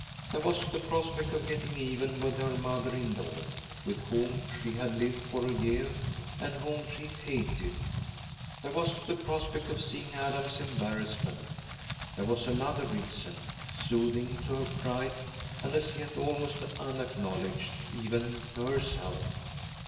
There was the prospect of getting even with her mother in law, with whom she had lived for a year and whom she hated; there was the prospect of seeing Adam's embarrassment; there was another reason, soothing to her pride, and as yet almost unacknowledged, even to herself.